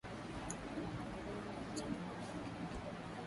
kukoroga mchanganyiko wa keki